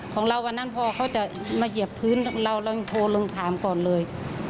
ของเราวันนั้นพอเขาจะมาเหยียบพื้นเราลองโทรลงถามก่อนเลย